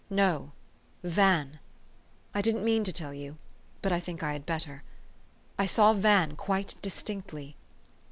" No Van. I didn't mean to tell you; but I think I had better. I saw Van quite distinctly."